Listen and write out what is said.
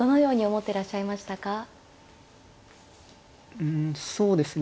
うんそうですね